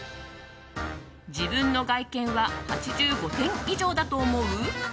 自分の外見は８５点以上だと思う？